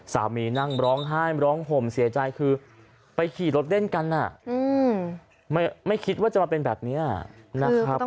สามีนั่งร้องไห้ร้องห่มเสียใจคือไปขี่รถเล่นกันไม่คิดว่าจะมาเป็นแบบนี้นะครับ